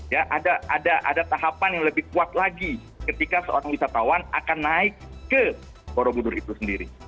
ya ada tahapan yang lebih kuat lagi ketika seorang wisatawan akan naik ke borobudur itu sendiri